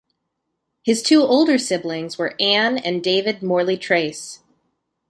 His two older siblings were Ann and David Morley Trace.